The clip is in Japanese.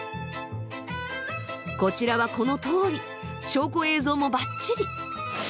こちらはこのとおり証拠映像もばっちり！